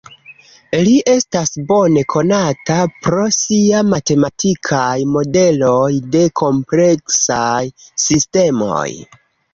Li estas bone konata pro sia matematikaj modeloj de kompleksaj sistemoj.